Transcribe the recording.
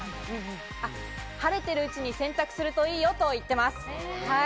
晴れているうちに洗濯するといいよと言っています。